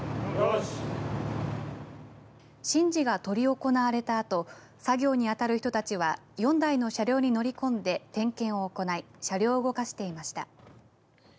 神事が執り行われたあと作業にあたる人たちは４台の車両に乗り込んで点検を行い車両を動かしていました。